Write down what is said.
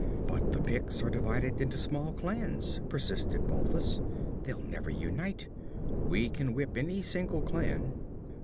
'But the Picts are divided into small clans,' persisted Balthus. 'they'll never unite. We can whip any single clan.'